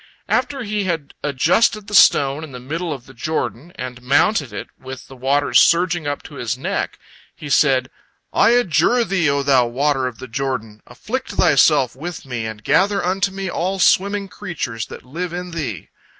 After he had adjusted the stone in the middle of the Jordan, and mounted it, with the waters surging up to his neck, he said: "I adjure thee, O thou water of the Jordan! Afflict thyself with me, and gather unto me all swimming creatures that live in thee.